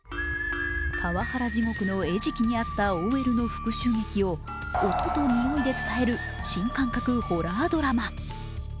パワハラ地獄の餌食にあったＯＬの復讐劇を音と匂いで伝える新感覚ホラードラマ。